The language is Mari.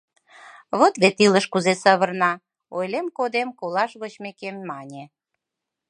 Вот вет илыш кузе савырна — «Ойлен кодем колаш вочмекем» мане.